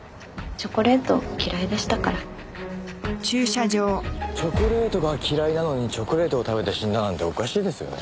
チョコレートが嫌いなのにチョコレートを食べて死んだなんておかしいですよね。